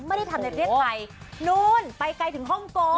ไม่ได้ทำในประเทศไทยนู่นไปไกลถึงฮ่องกง